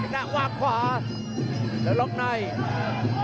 หน้าว่างขวาแล้วล๊อคไนท์